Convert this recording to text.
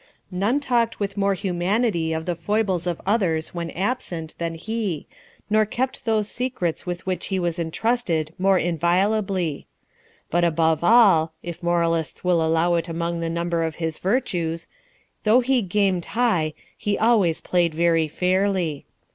None talked with more humanity of the foibles of others, when absent, than he, nor kept those secrets with which he was entrusted more inviolably. But above all (if moralists will allow it among the number of his virtues), though he gamed high, he always played very fairly.